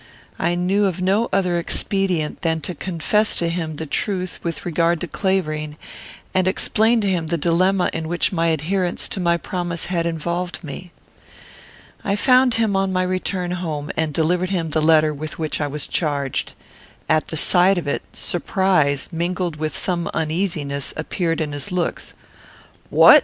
I knew of no other expedient than to confess to him the truth with regard to Clavering, and explain to him the dilemma in which my adherence to my promise had involved me. I found him on my return home, and delivered him the letter with which I was charged. At the sight of it, surprise, mingled with some uneasiness, appeared in his looks. "What!"